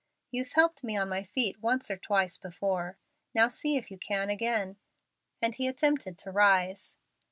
You've helped me on my feet once or twice before. Now see if you can again;" and he attempted to rise.